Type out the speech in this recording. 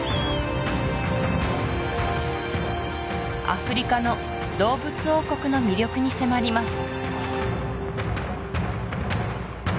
アフリカの動物王国の魅力に迫ります